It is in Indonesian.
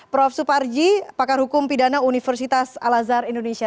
prof suparji pakar hukum pidana universitas al azhar indonesia